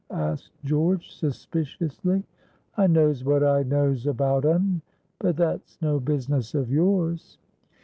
asked George, suspiciously. "I knows what I knows about un, but that's no business of yours."